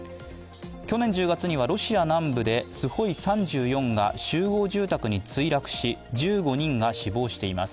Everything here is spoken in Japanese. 去年１０月にはロシア南部ではＳｕ−３４が集合住宅に墜落し、１５人が死亡しています。